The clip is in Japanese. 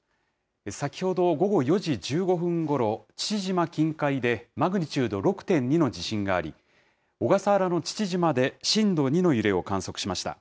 先ほど午後４時１５分ごろ、父島近海でマグニチュード６．２の地震があり、小笠原の父島で震度２の揺れを観測しました。